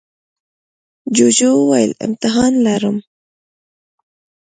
جوجو وویل امتحان لرم.